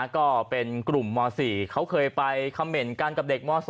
ก็เป็นกลุ่มม๔เขาเคยไปคำเมนต์กันกับเด็กม๒